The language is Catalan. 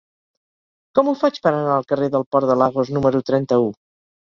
Com ho faig per anar al carrer del Port de Lagos número trenta-u?